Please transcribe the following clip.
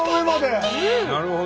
なるほど。